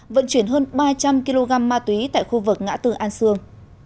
vận chuyển hơn ba trăm linh kg ma túy tại khu vực ngã tư an sương